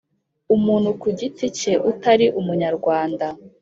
umuntu ku giti cye utari umunyarwanda